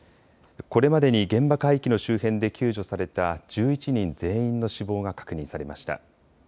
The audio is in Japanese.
これまでに現場海域の周辺で救助された１１人全員の死亡が確認されました。